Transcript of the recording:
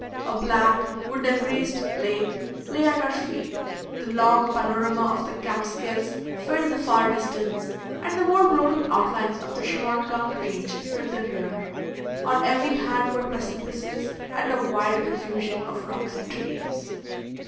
A black, wood embraced lake lay at our feet; the long panorama of the Catskills filled the far distance, and the more broken outlines of the Shawangunk range filled the rear. On every hand were precipices and a wild confusion of rocks and trees.